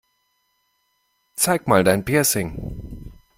Zeig mal dein Piercing!